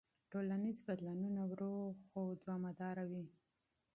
ټولنیز بدلونونه ورو خو دوامداره وي.